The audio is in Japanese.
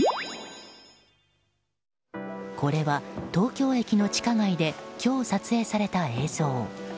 これは、東京駅の地下街で今日撮影された映像。